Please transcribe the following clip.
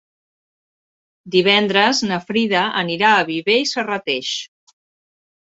Divendres na Frida anirà a Viver i Serrateix.